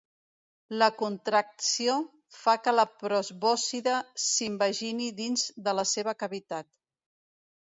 La contracció fa que la probòscide s'invagini dins de la seva cavitat.